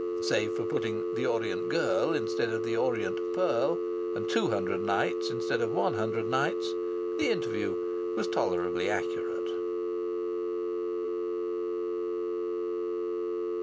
Save for putting "The Orient Girl" instead of "The Orient Pearl," and two hundred nights instead of one hundred nights, this interview was tolerably accurate.